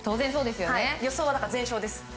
予想は全勝です。